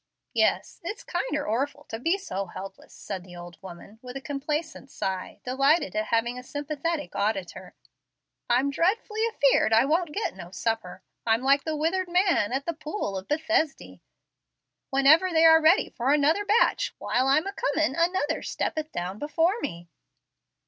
"Yes, it's kinder orful to be so helpless," said the old woman, with a complacent sigh, delighted at having a sympathetic auditor. "I'm dreadfully afeard I won't git no supper. I'm like the withered man at the pool of Bethesdy. Whenever they are ready for another batch 'while I'm a comin' another steppeth down before me.'"